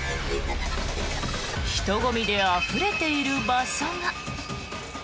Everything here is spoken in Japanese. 人混みであふれている場所が。